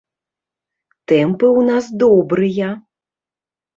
Тэмпы ў нас добрыя!